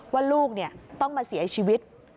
ว่าลูกต้องมาเสียชีวิต